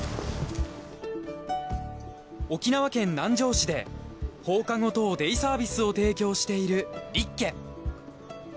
沖縄県南城市で放課後等デイサービスを提供しているリッケ。